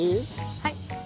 はい。